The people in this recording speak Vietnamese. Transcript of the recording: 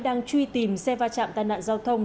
đang truy tìm xe va chạm tai nạn giao thông